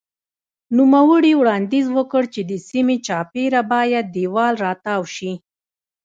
نوموړي وړاندیز وکړ چې د سیمې چاپېره باید دېوال راتاو شي.